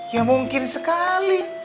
ya mungkin sekali